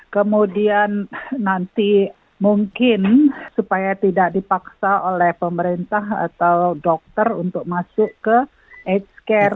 kemudian nanti mungkin supaya tidak dipaksa oleh pemerintah atau dokter untuk masuk ke h care